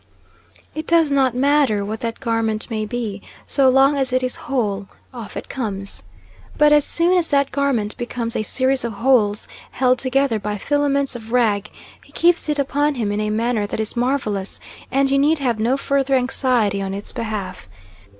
It does not matter what that garment may be; so long as it is whole, off it comes. But as soon as that garment becomes a series of holes, held together by filaments of rag, he keeps it upon him in a manner that is marvellous, and you need have no further anxiety on its behalf.